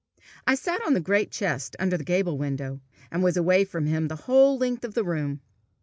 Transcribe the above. I sat on the great chest under the gable window, and was away from him the whole length of the room.